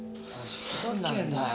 ふざけんなよ。